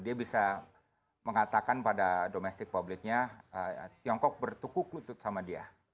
dia bisa mengatakan pada domestic public nya tiongkok bertukuk lutut sama dia